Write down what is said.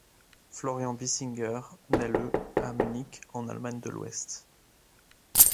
Florian Bissinger naît le à Munich en Allemagne de l'Ouest.